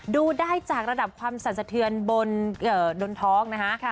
ดูได้จากระดับความสั่นสะเทือนบนท้องนะคะ